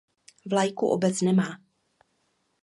Vlajku obec nemá.